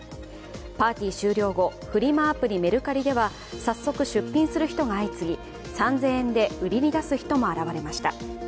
パーティー終了後、フリマアプリメルカリでは早速、出品する人が相次ぎ３０００円で売りに出す人も現れました。